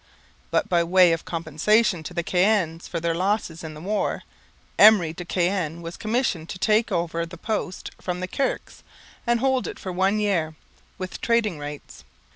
But, by way of compensation to the Caens for their losses in the war, Emery de Caen was commissioned to take over the post from the Kirkes and hold it for one year, with trading rights.